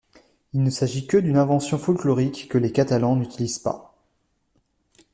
Il ne s'agit que d'une invention folklorique que les Catalans n'utilisent pas.